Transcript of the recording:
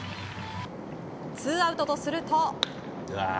ツーアウトとすると。